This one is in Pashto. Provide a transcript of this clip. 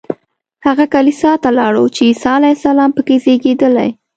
هغه کلیسا ته لاړو چې عیسی علیه السلام په کې زېږېدلی.